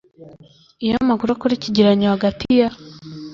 iyo amakuru akora ikigereranyo hagati ya